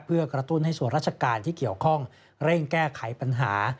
เพื่อกระตุ้นให้ส่วนราชการที่เกี่ยวข้องเร่งแก้ไขปัญหา